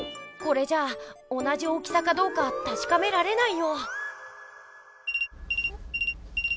これじゃあ同じ大きさかどうかたしかめられないよ。